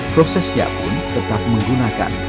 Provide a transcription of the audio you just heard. proses siapun tetap menggunakan